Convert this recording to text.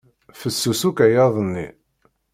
Fessus ukayad-nni.